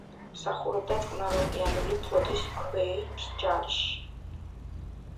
მსახურობდა წყნაროკეანური ფლოტის ქვეით ჯარში.